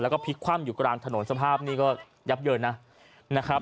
แล้วก็พลิกคล่ำอยู่กลางถนนสภาพนี่ก็เยอะแยอะนะ